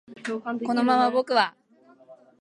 このまま僕は